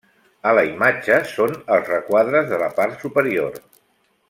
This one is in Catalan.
A la imatge són els requadres de la part superior.